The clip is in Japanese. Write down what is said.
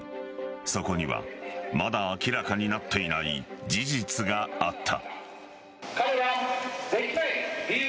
そこにはまだ明らかになっていない事実があった。